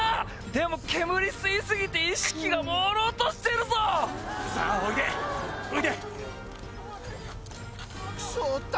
でも煙吸いすぎて意識がもうろうとしてるぞさあおいでおいで・